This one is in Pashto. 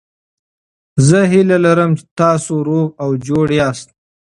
زه هیله لرم چې تاسو روغ او جوړ یاست.